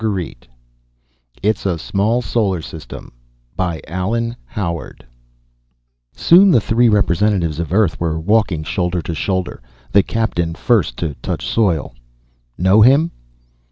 _ it's a small solar system by ALLAN HOWARD Soon the three representatives of Earth were walking shoulder to shoulder, the Captain first to touch soil. Know him?